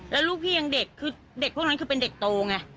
แล้วลูกพี่ยังเด็กคือเด็กพวกนั้นคือเป็นเด็กโตไง